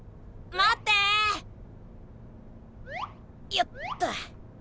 よっと。